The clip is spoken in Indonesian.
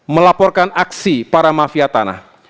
melaporkan aksi para mafia tanah